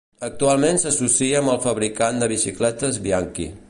Actualment s'associa amb el fabricant de bicicletes Bianchi.